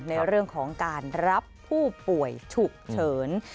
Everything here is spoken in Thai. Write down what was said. ในเรื่องของการรับผู้ป่วยฉุกเฉิน